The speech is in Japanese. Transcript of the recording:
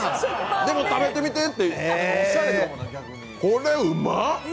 でも食べてみてっていう、これ、うまっ！